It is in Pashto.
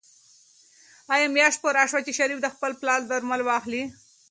آیا میاشت پوره شوه چې شریف د خپل پلار درمل واخلي؟